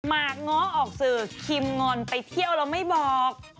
มากง้อออกสื่อคิมงอนไปเที่ยวแล้วไม่บอก